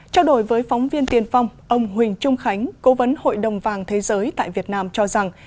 trao đổi với phóng viên tiền phong ông huỳnh trung khánh cố vấn hội đồng vàng thế giới tại việt nam cho rằng